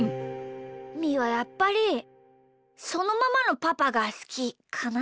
みーはやっぱりそのままのパパがすきかな。